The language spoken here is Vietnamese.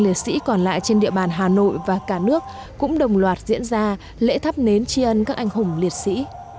liệt sĩ còn lại trên địa bàn hà nội và cả nước cũng đồng loạt diễn ra lễ thắp nến tri ân các anh hùng liệt sĩ